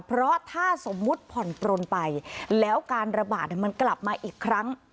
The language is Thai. เพราะถ้าสมมุติผ่อนปลนไปแล้วการระบาดมันกลับมาอีกครั้ง